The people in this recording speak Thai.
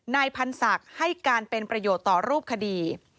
นายพันธ์ศักดิ์ให้การเป็นประโยชน์ต่อรูปคดี